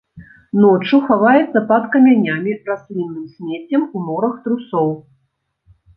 Ноччу хаваецца пад камянямі, раслінным смеццем, у норах трусоў.